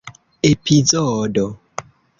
epizodo